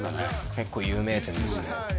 結構有名店ですね